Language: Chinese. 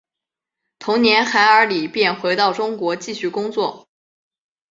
同年韩尔礼便回到中国继续工作。